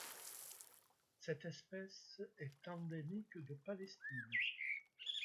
Cette espèce est endémique de Palestine.